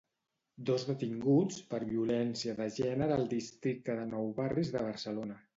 Dos detinguts per violència de gènere al districte de Nou barris de Barcelona.